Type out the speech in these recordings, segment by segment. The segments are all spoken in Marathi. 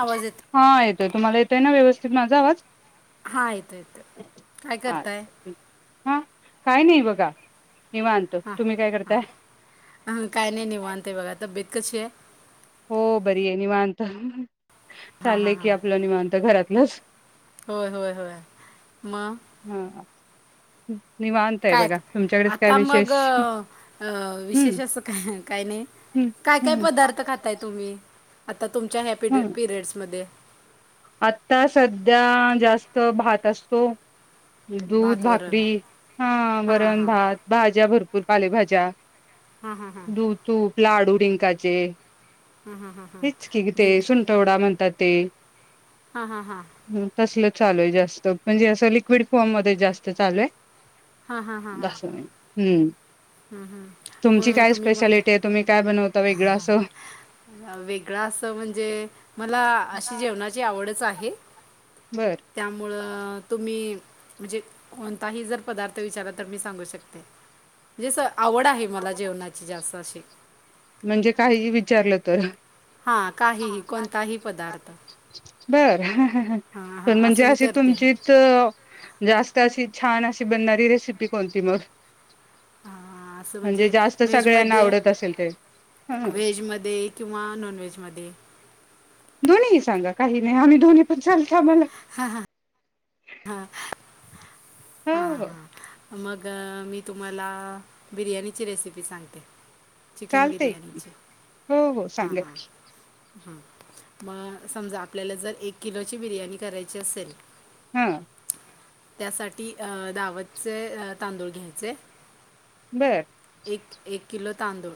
आवाज येत हा येतय तुम्हाला येत ना व्यवस्थित. माझा आवाज हा येत येत काय करताय? अच्छा ठीक हा काय नाही बघा. निवांत हा तुम्ही काय हा करताय अहो काय नाही निवांत आहे बघा, तब्येत कशी आहे? हो बरी आहे निवांत. हां हां चालले की हां आपलं निवांत घरात. लस होय होय होय म हम्म. काय आता मग अ अ हम्म विशेष असं काय काय नाही हम्म काय काय हम्म पदार्थ खाताय तुम्ही. आता तुमच्या ह्या पीड हम्म. पीरियड्समध्ये आता सध्या जास्त भात असतो दूध, भात वरण भाकरी हा हां हां वरण हां भात, भाज्या भर पूर पालेभाज्या दू तू लाडू रिंकाचे हेच की ते डिंक सुंटवडा म्हणतात. ते हां हां हां हम्म तसलेत चालू आहे जास्त, म्हणजे असं लिक्विड फॉर्म मध्ये जास्त चालू आहे. [unintelligible] हम्म. हम्म हम्म तुमची मग काय तुम्ही म स्पेशालिटी आहे तुम्ही काय बनवता वेगळं असं वेगळा असं म्हणजे मला हा अशी जेवणाची आवडचं आहे. बर त्यामुळं तुम्ही म्हणजे कोणताही जर पदार्थ विचारला तर मी सांगू शकते. जसं म्हणजे काही विचारलं तर हा काही ही कोणताही पदार्थ. बरं. हां हां पण म्हणजे असं मी अशी करते तुमचीत जास्त अशी छान अशी बनणारी रेसिपी कोणती मग? हा. हा असं म्हणजे जास्त व्हेज सगळ्यांना मध्ये आवडत असेल ते ह व्हेज मध्ये किंवा नॉन व्हेज मध्ये दोन्ही सांगा काही नाही आम्ही दोनही पण चालत आम्हाला हा हा ह हा हो हो हम हमा मग मी तुम्हाला बिर्याणीची रेसिपी सांगते चिकन चालतंय की बिर्याणीची हो हो सांगत ह मग समजा आपल्याला जर एक किलोची बिर्याणी करायची असेल हा त्यासाठी ती दावतचे तांदूळ घ्यायचे बर एक एक किलो तांदूळ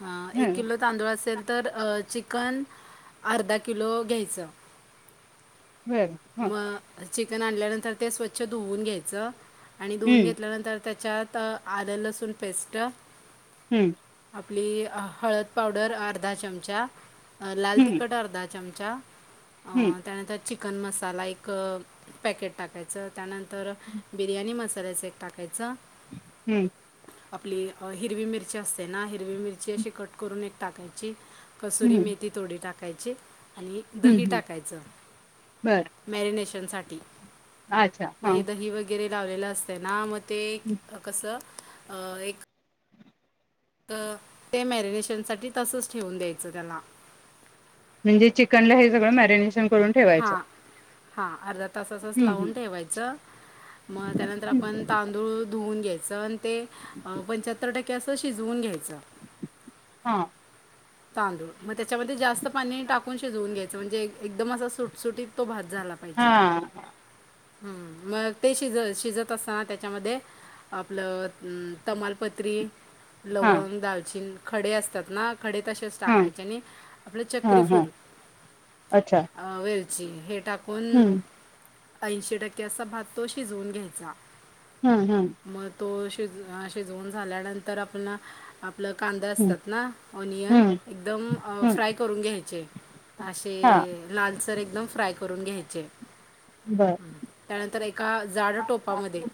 ह एक किलो तांदूळ असेल तर चिकन अर्धा किलो घ्यायचं बर हा मग चिकन आणल्यानंतर ते स्वच्छ धुवून घ्यायचं आणि दोन हम्म घेतल्यानंतर त्याच्यात आलं लसूण पेस्ट हम्म आपली हळद पावडर अर्धा चमचा अ लाल हम्म तिखट अर्धात चमचा अ हम्म त्यानंतर कन मस् साला एक पॅकेट टाकायचं त्यानंतर बिर्याणी मसा तरऱच एक टाकायचं हम्म आपली हिरवी मिरची असते ना हरवी मिरची अशी कट करून एक टाकायची कसुरी हम्म मेथीथोडी टाक कायचे आणि हम्म दही हम्म टाकायचं बरं मॅरिनेशनसाठी अच्छा हां मही दही वगैरे लाावलेलं असतते ना मग ते कसं अ एक ते मॅरिनेशनसाठी तसंच ठेवून द्यायचं त्याला म्हणजे चिकनला हे सगळं मॅरिनेशन करून ठेवायचं हा अर् तसा तस हम्म लावून हम्म ठेवायचं मग त्यानंतर आपण तांदूळ धुवून घ्यायचं ते पंच्याहत्तर टक्के असं शिजवून घ्यायचं हा तांदूळ मग त्याच्यामध्ये जास्त पाणी टाकून शिजवून घ्यायचं म्हणजे एकदम असा सुटसुीत तो भात झाला पाहिजे हां मग ते शिजत शिजत असताना त्याच्यामध्ये आपलं तमालपत्री हां लवंग दालचीनं खडे असतात ना खडे तसेच हां टाकायचे आणि आपलं चक्री हां हां फूल अच्छा वे ज हे टाकून हम्म ऐंशी टक्के असा भात तो शिजवून घ्यायचा हम्म हम्म मग तो शिज शिजवून झाल्यानंतर आपण आप आपलं कांदा हम्म असतात ना ओनियन हम्म एकदम हम्म फ्राय करून घ्यायचे हां असे लालसर एकदम फ्राय कर करून घ्यायचे बरं त्यानंतर एका जाड टोपामध्ये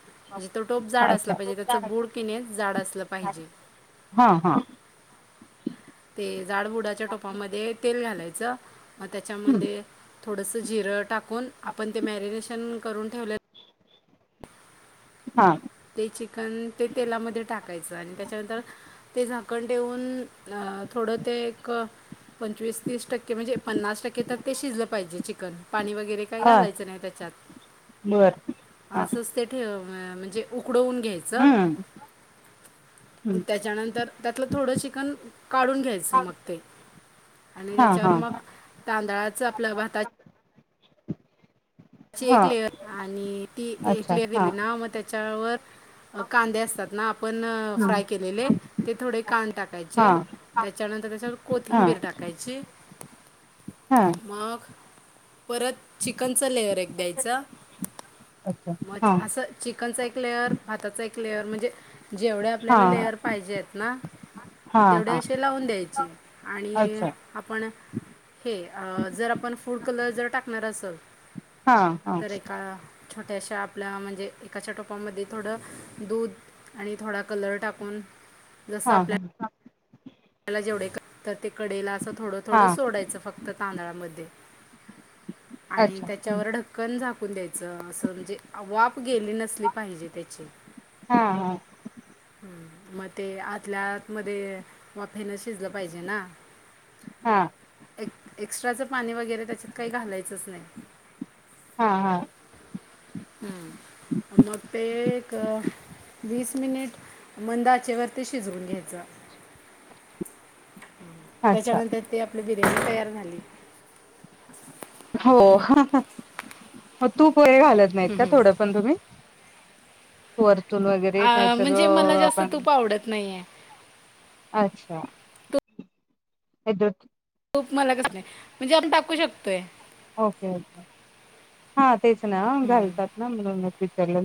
जीत टोप जाड असला अच्छा पाहिजे त्याच बुड किने जाड असलं पाहिजे हां हां ते जाडबुडाच्या टोपामध्ये तेल घालायचं च मग हम्म त्याच्यामध्ये थोडंसं जिरं टाकून आपण ते मॅरिनेशन करून ठेवलं हा ते चिकन ते तेलामध्ये टाकायचं आणि त्याच्यानंतर ते झाकण ठेवून थोडं ते एक पंचवीस तीस टक्के म्हणजे पन्नास टक्के तर ते शिजलं पाहिजे चिकन पाणी वगैरे काही हां घालायचं नाही त्याच्यात बरं हां असंच ते ठेव म्हणजे उकडवून घ्यायचं हम्म हम्म त्याच्यानंतर त्यातलं थोडं चिकन काढून घ्यायचं मग ते आणि हां त्याच्यावर मग हां तांदळाचं आपल्या भाता [inaudible] त्याची एक हां लेअर आणि ती एक अच्छा लेअर हां दिली ना मग त्याच्यावर कांदे असतात ना आपण हां फ्राय केलेले ते थोडे कन टाकायचे हां त्याच्यानंतर त्याच्यावर हां कोथिंबीर टाकायची हां मग परत चिकनचं लेअर ब्रेक द्यायचा अच्छा म हां असं चिकनचा एक लेअर भाताचा एक लेअर म्हणजे जेवढ्या आपल्याला हां लेअर पाहिजे आहेत ना हां तेवढे हां असे लावून द्यायचे आणि अच्छा आपण हे जर आपण फूड कलर जर टाकणार असल हा हा छोट्याशा आपल्या म्हणजे एकाच्या टोपामध्ये थोडं दूध आणि थोडा कलर टाकून हा हा हा त्याला जेवढे का ते कडेला असं थोडं हा थोडं सोडायचं फक्त तांदळामध्ये आणि अच्छा त्याच्यावर ढक्कन झा पुंद अस म्हणजे वाप गेली नसली पाहिजे त्याची हा हा मग ते आतल्यात म पा हा पाणी वगैरे त्याच्यात काही घालायचंच नाही हा हा ह मग ते एक वीस मिनिट मंदाचे वरती शिजवून घ्यायचं अच्छा त्याच्यानंतर ते आपली बिर्याणी तयार झाली हो तू पुोळे घालत नाहीत का थोडं पण तुम्ही वर वगैरे नाही आ, तर म्हणजे मला जास्त आपण तूप आवडत नाही आहे अच्छा यदो खूप मला कस नाही म्हणजे आम्ही टाकू शकतोय ओके ओके हा तेच ना घालतात ना म्हणून विचारलं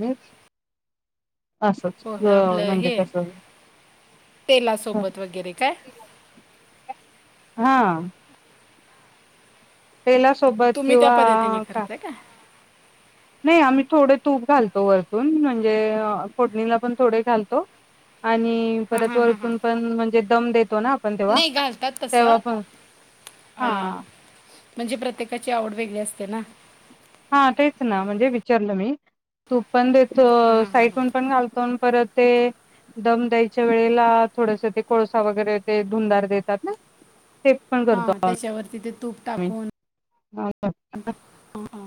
असंच हो आपलं म्हणजे हे कसं तेलासोबत वगैरे काय हां तेेलासोबत तुम्ही त्या किंवा पद्धतीने आ का करताय नाही आम्ही थोडे तूप घालतो वरतून म्हणजे फोडणीला पण थोडे घालतो. आणि परत वरतून पण म्हणजे दम देतो ना आपण तेव्हा नाही घालतात तेव्हा तसं पण आ, हा म्हणजे प्रत्येकाची आवड वेगळी असते ना? हा तेच ना म्हणजे विचारलं मी तूप पण देतो साईटून पण घालतो नं परत ते दम द्यायच्या वेळेला थोडस ते कोळसा वगैरे ते धुंदार देतात ना ते पण हा करतो त्याच्यावरती ते तूप आम्ही टाकून अ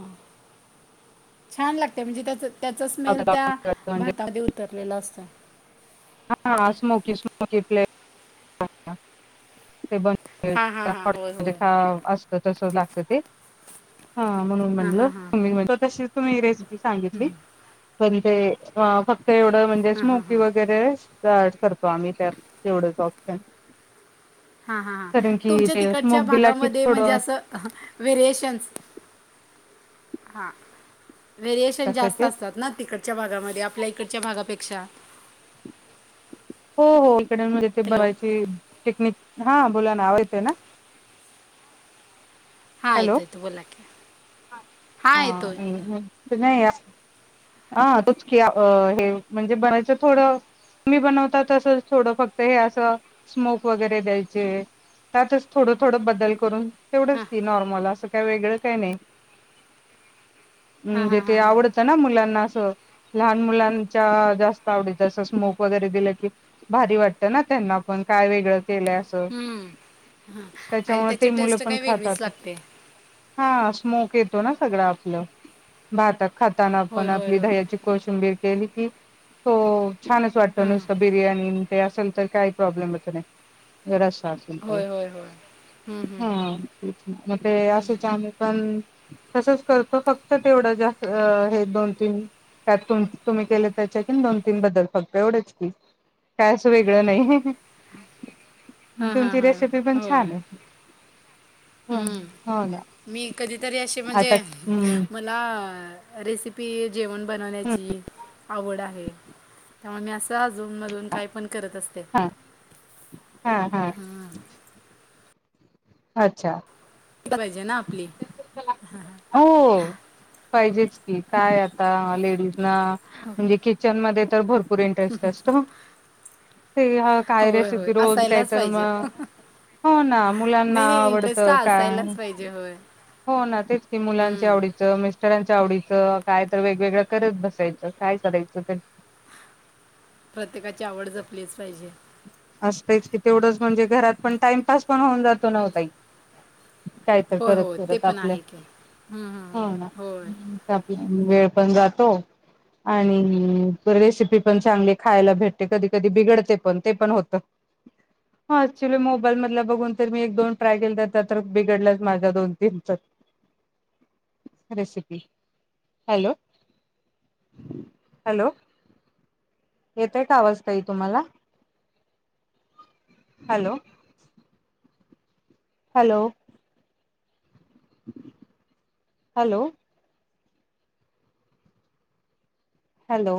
छान लागतय म्हणजे त्याचं त्याचा स्मेल त्या म्हणजे भातामध्ये उतरलेला असतो. [unintelligible] [unintelligible] हां हां हां होय होय [unintelligible] खा अस त तस लागत ते हा म्हणून हां म्हणलं हां हां तुम्ही म्हण तशीच तुम्ही रेसिपी सांगितली. पण ते हा फक् ते एवढं म्हणजे हां हां हां स्मोकी वगैरे त्यावेळेस करतो आम्ही त्या तेवढच ऑफ [unintelligible] हा हा हां कारण की तुमच्या ते तिकडच्या स्मोक दिला की भागामध्ये म्हणजे थोडं असं अहं व्हेरिएशन्स हा व्हेरिएशन जास्त कशाचे असतात ना तिकडच्या भागामध्ये आपल्या इकडच्या भागापेक्षा हो हो [unintelligible] हॅलो बघयची पिकनिक हा बोला ना आव येत ना हां हॅलो येतो येतो बोला की हां येतो हा नाई असं आ तच की हे म्हणजे बनायचं थोडं तुम्ही बनवता तस थोडं फक्त हे असं स्मोक वगैरे द्यायचे त्यातच थोडं थोडं बदल करून हां तेवढंच मला असं काय वेगळं काय नाय. हां हां म्हणजे ते हां हां आवडतं ना मुलांना असं हो लहान मुलांच्या जास्त आवडीच असं स्मोक वगैरे दिलं की भारी वाटत ना त्यांना पण काय वेगळं केलंय असं हम्म ह आणि त्याच्यामुळे त्याची ते मुलं टेस्ट पण काय वेगळीच खातात लाग तेे हा स्मोक येतो ना सगळं आपलं भातात खाताना होय पण होय आपली होय दह्याची कोशिंबीर केली हो. छानच वाटतो हां नुसतं बिर्याणी ते असेल तर काय प्रॉब्लेमच नाही. [unintelligible] होय होय होय हम्म हम्म हम्म. म ते असेच आले पण तसंच करतो फक्त तेवढं जा हे दोन तीन त्यात तुम्ही केले त्याच्या कि दोन तीन बद्दल फक्त एवढंच की काय असं वेगळं नाही. हां हां तुमची हां रेसिपी पण होय छान ये. हम्म हो ना हम्म मी कधीतरी असे म्हणजे आता हम्म मला रेसिपी जेवण हम्म बनवण्याची आवड आहे. त्यामुळे असं आज अजून मधून काय पण करत असते हा हा हा ह. अच्छा करायची ना आपली हो पाहिजेच की काय आता लेडीज म्हणजे किचन मधे तर भर पुूर इंटरेस्ट असतो. ते काय होय होय रेसिपी रोज काही असायलाच तर पाहिजे मग हो ना म ना नाही नाही आवडत इंटरेस्ट हा का असायलाच पाहिजे होय हो ना तेच की म्हणजे मुलांच्या हम्म. आवडीचं मिष्टरांच्या आवडीच काय तर वेगवेगळं करत बसायचं काय करायचं ते प्रत्येकाची आवड जपलीच पाहिजे. असतच की तेवढंच म्हणजे घरात पण टाइमपास पण होऊन जातो ना ओ ताई. काय तर होय करत हो ते करत पण आपल्या आहे की हम्म, हम्म, हो ना हम्म. होय आपल्या वेळ पण जातो आणि रेसिपी पण चांगली खायला भेटते कधी कधी बिघडते पण ते पण होत हा ऍक्च्युली मोबाईल मधल बघून तर मी एक दोन ट्राय केलं तर तर बिघडलंच माझ्या दोन तीन तर रेसिपी हॅलो हॅलो येतय का आवाज ताई तुम्हाला. हॅलो. हॅलो. हॅलो. हॅलो.